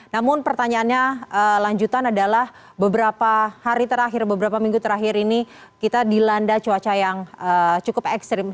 namun pertanyaannya lanjutan adalah beberapa hari terakhir beberapa minggu terakhir ini kita dilanda cuaca yang cukup ekstrim